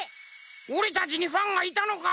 おれたちにファンがいたのか？